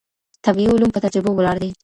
طبيعي علوم په تجربو ولاړ دي.